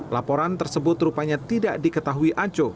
laporan tersebut rupanya tidak diketahui aco